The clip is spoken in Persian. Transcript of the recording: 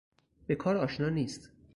به کار آشنا نیست.